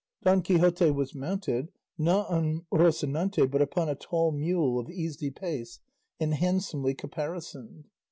Don Quixote was mounted, not on Rocinante, but upon a tall mule of easy pace and handsomely caparisoned.